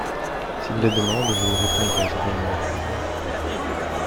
S’il les demande, je lui répondrai, j’en fais mon affaire.